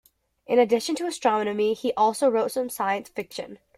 In addition to astronomy he also wrote some science fiction.